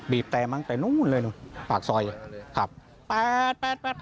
บีบแตมั้งแต่นู้นเลยปากซอยขับแป๊ด